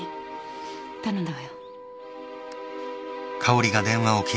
頼んだわよ。